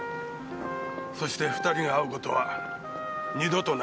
そして２人が会うことは二度となかった。